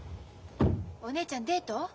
お姉ちゃんデート？